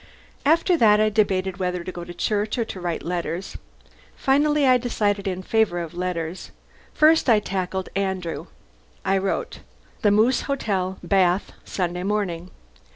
After that I debated whether to go to church or to write letters. Finally I decided in favour of the letters. First I tackled Andrew. I wrote: The Moose Hotel, Bath, Sunday morning.